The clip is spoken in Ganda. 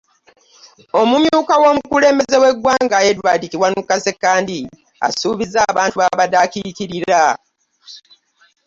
Omumyuka w'omukulembeze w'eggwanga, Edward Kiwanuka Ssekandi, asuubizza abantu baabadde akiikiirira